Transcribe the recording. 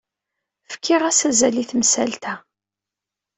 Fkiɣ-as azal i temsalt-a.